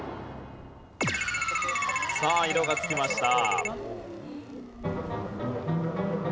さあ色が付きました。